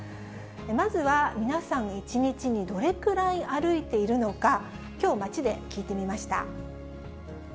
まずは皆さん、１日にどれくらい歩いているのか、きょう街で聞いてみました。